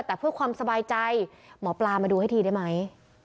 แต่เพื่อความสบายใจหมอปลามาดูให้ทีได้ไหม